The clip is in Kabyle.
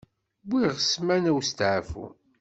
Wwiɣ ssmana usteɛfu.